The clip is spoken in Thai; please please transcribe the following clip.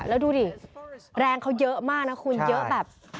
แล้วดูดิแรงเขาเยอะมากนะคุณเยอะแบบ